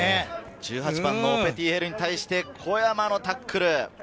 １８番のオペティ・ヘルに対して、小山のタックル。